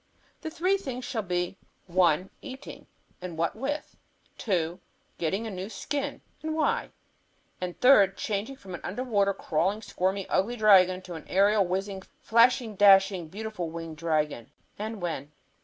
The three things shall be, one, eating, and what with; two, getting a new skin, and why; and third, changing from an under water, crawling, squirmy, ugly dragon into an aerial, whizzing, flashing, dashing, beautiful winged dragon, and when.